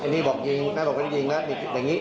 นี่บอกจริงน่าบอกจริงแล้วอย่างนี้